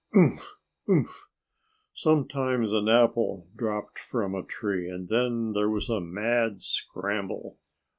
"Umph! Umph!" Sometimes an apple dropped from a tree. And then there was a mad scramble.